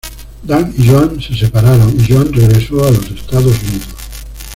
Dan y Joanne se separaron y Joanne regresó a los Estados Unidos.